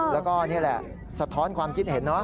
แล้วก็นี่แหละสะท้อนความคิดเห็นเนาะ